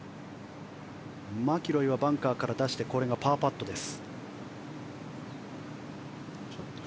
マキロイはバンカーから出してパーパットです。